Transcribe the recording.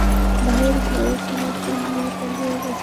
ভাইয়ের ভয়ে ছেলেকে নিয়ে পালিয়ে গেছে সে।